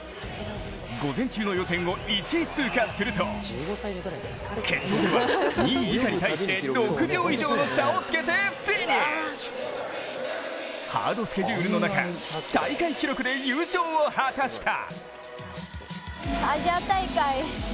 午前中の予選を１位通過すると決勝では、２位以下に対して６秒以上の差をつけてフィニッシュハードスケジュールの中大会記録で優勝を果たした。